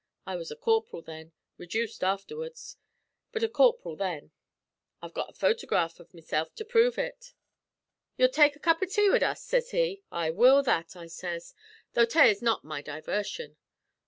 I was a corp'ril then rejuced aftherwards; but a corp'ril then. I've got a photograft av mesilf to prove ut. 'You'll take a cup av tay wid us?' sez he. 'I will that,' I sez; 'tho' tay is not my diversion.'